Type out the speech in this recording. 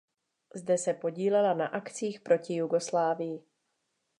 Zde se podílela na akcích proti Jugoslávii.